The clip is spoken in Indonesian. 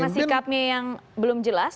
apa sikapnya yang belum jelas